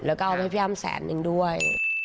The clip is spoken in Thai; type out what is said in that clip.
แล้วก็เอาไปให้พี่อ้ำแสนนึงด้วย